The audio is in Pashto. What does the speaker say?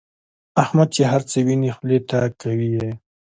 احمد چې هرڅه ویني خولې ته کوي یې.